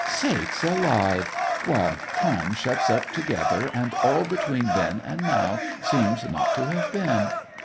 'Sakes alive! Why, time shuts up together, and all between then and now seems not to have been!